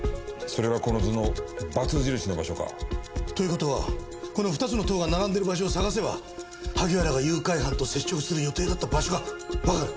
それがこの図のバツ印の場所か。という事はこの２つの塔が並んでいる場所を探せば萩原が誘拐犯と接触する予定だった場所がわかる。